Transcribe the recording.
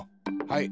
はい。